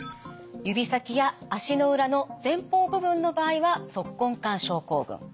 指先や足の裏の前方部分の場合は足根管症候群。